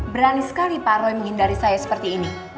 berani sekali pak roy menghindari saya seperti ini